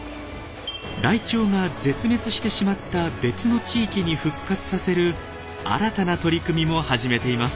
ライチョウが絶滅してしまった別の地域に復活させる新たな取り組みも始めています。